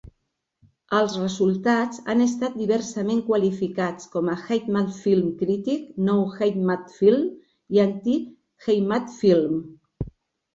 Els resultats han estat diversament qualificats com a "Heimatfilme crític", "nou Heimatfilme" i "anti-Heimatfilme".